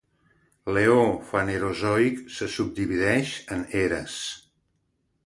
L'eó fanerozoic se subdivideix en eres.